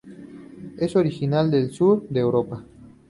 Es originaria del sur de Europa.